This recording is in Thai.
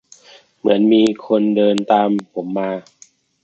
เหมือนมีคนเดินตามผมมา